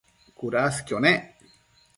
cudasquio nec